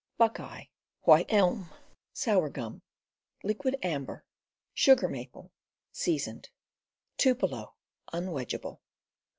Buckeye, White Elm, Sour Gum, Liquidambar, Sugar Maple (seasoned), Tupelo (unwedgeable).